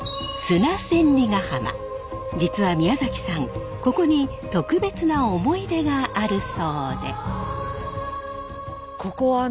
実は宮崎さんここに特別な思い出があるそうで。